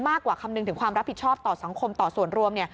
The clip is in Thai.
มากกว่าคำนึงที่ความรับผิดชอบต่อสังคมต่อส่วนรวม